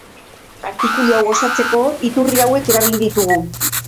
Artikulu hau osatzeko, iturri hauek erabili ditugu.